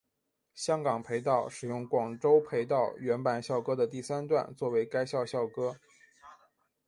香港培道使用广州培道原版校歌的第三段作为该校校歌。